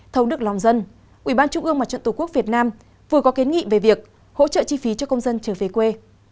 thông đức long dân ubnd tq việt nam vừa có kiến nghị về việc hỗ trợ chi phí cho công dân trở về quê